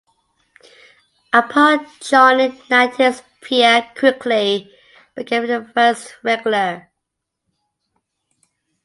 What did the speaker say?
Upon joining Nantes Pierre quickly became a first team regular.